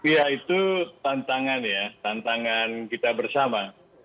ya itu tantangan ya tantangan kita bersama